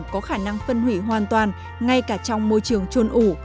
có khả năng phân hủy hoàn toàn ngay cả trong môi trường trôn ủ